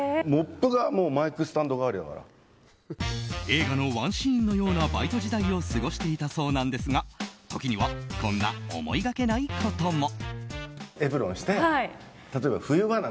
映画のワンシーンのようなバイト時代を過ごしていたそうなんですが時にはこんな思いがけないことも。